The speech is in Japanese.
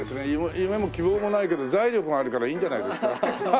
夢も希望もないけど財力があるからいいんじゃないですか？